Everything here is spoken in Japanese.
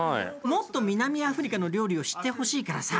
もっと南アフリカの料理を知ってほしいからさ